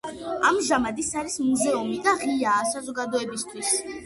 ამაჟამად ის არის მუზეუმი და ღიაა საზოგადოებისთვის.